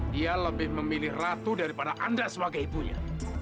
dia lebih memilih ratu daripada anda sebagai ibunya